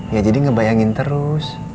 ya jadi ngebayangin terus